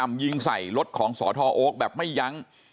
ทำให้สัมภาษณ์อะไรต่างนานไปออกรายการเยอะแยะไปหมด